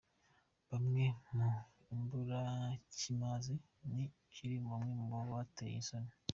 bamwe ni imburakimazi, ni ukiri bamwe muri bo bateye isoni.